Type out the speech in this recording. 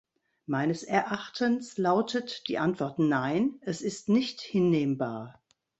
Meines Erachtens lautet die Antwort nein, es ist nicht hinnehmbar.